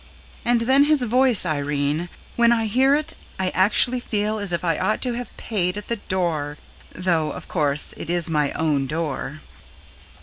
And then his voice Irene, when I hear it I actually feel as if I ought to have PAID AT THE DOOR, though, of course, it is my own door.